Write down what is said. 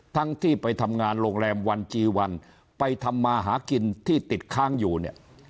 ทั้งที่ไปทำงานโรงแรมวันจีวันไปทำมาหากินที่ติดค้างอยู่เนี่ย